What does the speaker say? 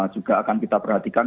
juga akan kita perhatikan